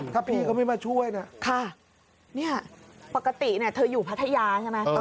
ถ้าพี่เขาไม่มาช่วยเนี่ยค่ะเนี่ยปกติเนี่ยเธออยู่พัทยาใช่ไหม